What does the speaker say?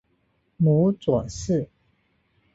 母左氏。